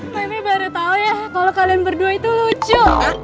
memi baru tau ya kalo kalian berdua itu lucu